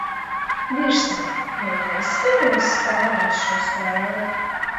Virsaiti, vai tu esi kādreiz spēlējis šo spēli?